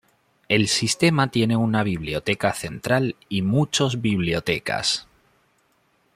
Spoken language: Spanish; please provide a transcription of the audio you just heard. El sistema tiene una biblioteca central y muchos bibliotecas.